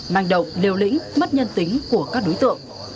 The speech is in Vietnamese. manh động liều lĩnh mất nhân tính của các đối tượng